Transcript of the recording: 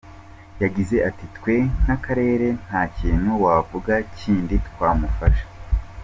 Yagize ati “Twe nk’akarere nta kintu wavuga kindi twamufasha.